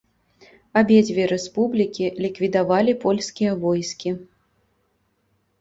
Абедзве рэспублікі ліквідавалі польскія войскі.